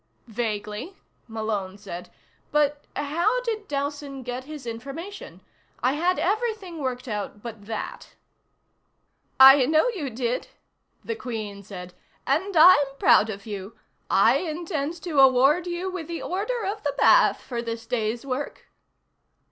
"Vaguely," Malone said. "But how did Dowson get his information? I had everything worked out but that." "I know you did," the Queen said, "and I'm proud of you. I intend to award you with the Order of the Bath for this day's work."